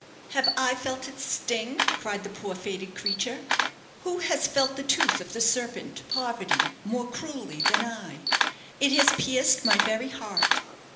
"Have I felt its sting?" cried the poor faded creature. "Who has felt the tooth of the serpent, Poverty, more cruelly than I? It has pierced my very heart.